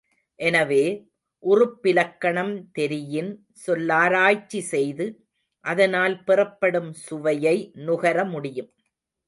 எனவே, உறுப்பிலக்கணம் தெரியின், சொல்லாராய்ச்சி செய்து, அதனால் பெறப்படும் சுவையை நுகர முடியும்.